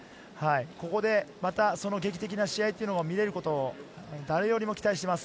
ここで、またその劇的な試合を見れることを誰よりも期待しています。